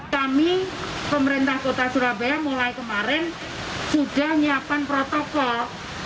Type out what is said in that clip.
kami pemerintah kota surabaya mulai kemarin sudah menyiapkan protokol